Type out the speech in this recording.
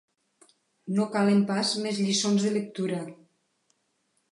No calen pas més lliçons de lectura.